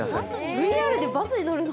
ＶＲでバスに乗るの？